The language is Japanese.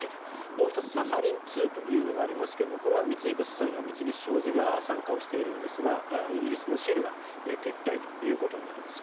もう１つ、サハリン２というのがあるんですがこれは三井物産や三菱商事が参加をしているんですがイギリスのシェルは撤退となります。